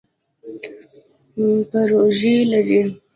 پروژی لرئ؟